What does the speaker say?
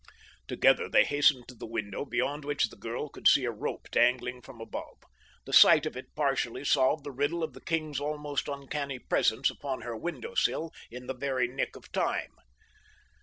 Together they hastened to the window beyond which the girl could see a rope dangling from above. The sight of it partially solved the riddle of the king's almost uncanny presence upon her window sill in the very nick of time.